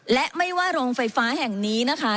และไม่ว่าโรงไฟฟ้าแห่งนี้นะคะ